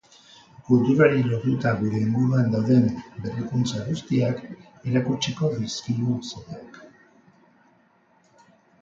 Kulturari lotuta gure inguruan dauden berrikuntza gustiak erakutsiko dizkigu saioak.